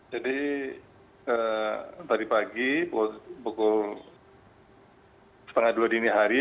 jadi tadi pagi pukul setengah dua dini hari